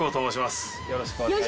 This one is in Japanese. よろしくお願いします。